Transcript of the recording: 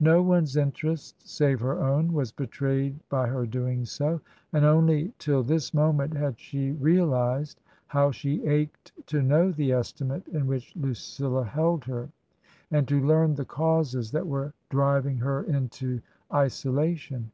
No one's interest, save her own, was betrayed by her doing so ; and only till this moment had she realized how she ached to know the estimate in which Lucilla held her, and to learn the causes that were driving her into isolation.